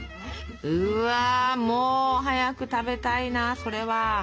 うわも早く食べたいなそれは。